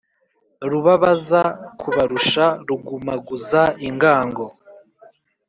Rubabaza kubarusha, rugumaguza ingango,